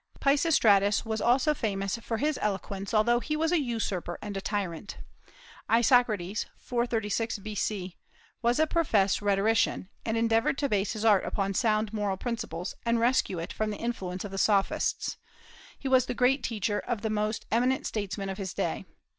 Peisistratus was also famous for his eloquence, although he was a usurper and a tyrant. Isocrates, 436 B.C., was a professed rhetorician, and endeavored to base his art upon sound moral principles, and rescue it from the influence of the Sophists. He was the great teacher of the most eminent statesmen of his day.